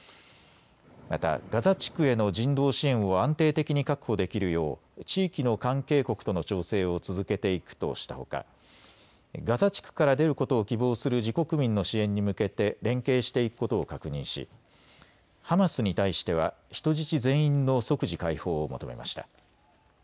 またガザ地区への人道支援を安定的に確保できるよう地域の関係国との調整を続けていくとしたほかガザ地区から出ることを希望する自国民の支援に向けて連携していくことを確認しハマスに対しては人質全員の即時解放を求めました。